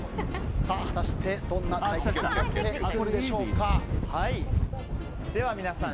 果たしてどんな対決になっていくのでしょうか。